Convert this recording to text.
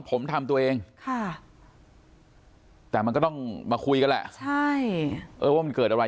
ผมทำตัวเองค่ะแต่มันก็ต้องมาคุยกันแหละใช่เออว่ามันเกิดอะไร